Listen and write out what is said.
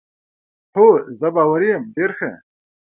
هو، زه باوري یم، ډېر ښه.